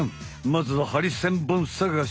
まずはハリセンボンさがし！